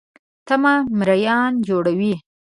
تمه مریان جوړوي.